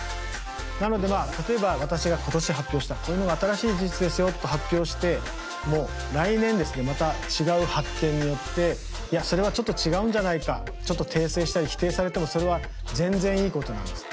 なのでまあ例えば私が今年発表したこういうのが新しい事実ですよと発表しても来年ですねまた違う発見によっていやそれはちょっと違うんじゃないかちょっと訂正したり否定されてもそれは全然いいことなんです。